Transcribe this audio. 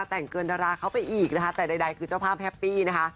แต่งเกินดาราเข้าไปอีกนะคะแต่ใดคือเจ้าภาพแฮปปี้นะคะ